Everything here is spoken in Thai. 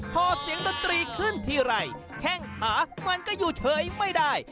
พอเสียงดนตรีขึ้นทีไรแข้งขามันก็อยู่เฉยไม่ได้